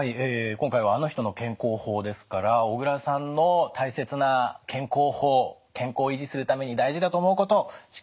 今回は「あの人の健康法」ですから小倉さんの大切な健康法健康を維持するために大事だと思うこと色紙に書いていただきました。